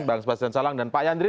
bang sebastian salang dan pak yandri